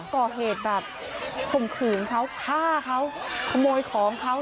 ก่อเหตุแบบข่มขืนเขาฆ่าเขาขโมยของเขา